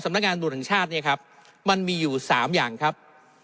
มีอยู่สามอย่างครับ